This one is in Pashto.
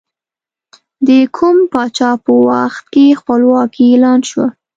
د کوم پاچا په وخت کې خپلواکي اعلان شوه؟